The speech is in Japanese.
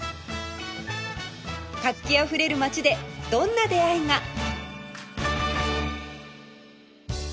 活気あふれる街でどんな出会いが？